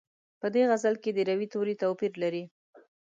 په دې غزل کې د روي توري توپیر لري.